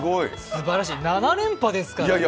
すばらしい、７連覇ですからね。